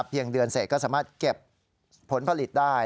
เดือนเสร็จก็สามารถเก็บผลผลิตได้